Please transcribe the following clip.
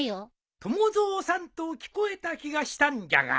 友蔵さんと聞こえた気がしたんじゃが？